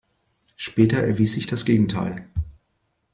Später erwies sich das Gegenteil.